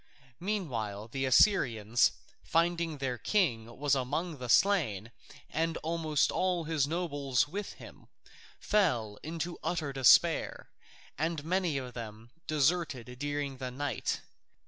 Meanwhile the Assyrians, finding that their king was among the slain and almost all his nobles with him, fell into utter despair, and many of them deserted during the night.